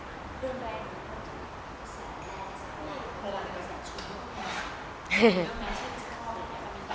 เรื่องแรงของคนที่กระแสแรงในเวลาในกระแสชุดนี้หรือเปล่า